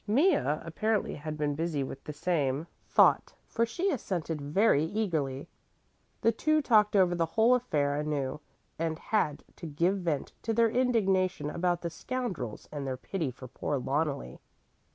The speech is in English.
Mea apparently had been busy with the same thought for she assented very eagerly. The two talked over the whole affair anew and had to give vent to their indignation about the scoundrels and their pity for poor Loneli.